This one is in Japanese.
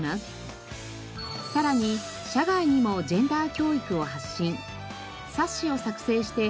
さらに社外にもジェンダー教育を発信。